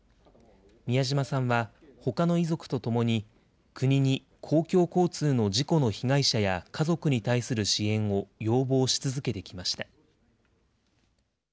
美谷島さんはほかの遺族と共に国に公共交通の事故の被害者や家族に対する支援を要望し続けてきました。